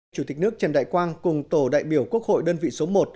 chủ tịch nước trần đại quang cùng tổ đại biểu quốc hội đơn vị số một